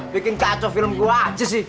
bikin kacau film gue aja sih